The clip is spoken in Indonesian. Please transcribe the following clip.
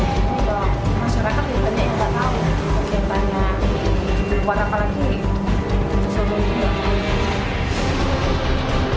masyarakat ditanya yang tak tahu tanya buat apa lagi